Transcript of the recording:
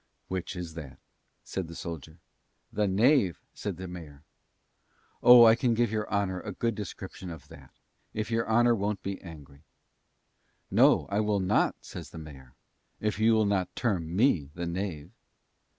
"Which is that?" said the soldier. "The Knave," said the mayor. "Oh, I can give your honour a good description of that, if your honour won't be angry. "No, I will not," says the mayor, "if you will not term me the knave."